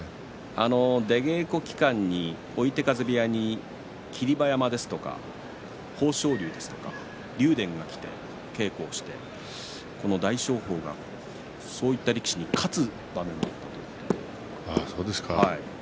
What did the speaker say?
出稽古期間に追手風部屋に霧馬山ですとか豊昇龍ですとか竜電が来て稽古をしてこの大翔鵬がそういった力士に勝つ場面もそうですか。